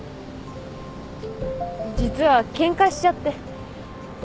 実はケンカしちゃって。